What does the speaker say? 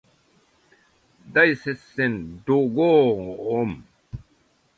大接戦ドゴーーン